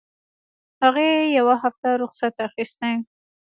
هغې يوه هفته رخصت اخيستى.